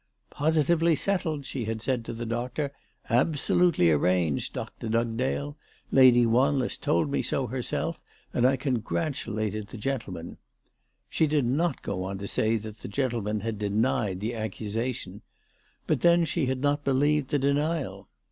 " Positively settled/' she had said to the doctor, "absolutely arranged, Dr. Dugdale. Lady Wanless told me so herself, and I congratulated the gentleman." She did not go on to say that the gentleman had denied the accusation, but then she had not believed the denial.